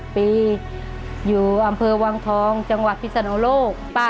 เป็นเมื่อวันของสามสองนะครับ